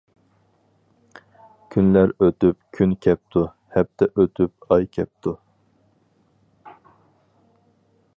كۈنلەر ئۆتۈپ كۈن كەپتۇ، ھەپتە ئۆتۈپ، ئاي كەپتۇ